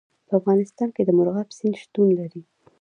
په افغانستان کې د مورغاب سیند شتون لري.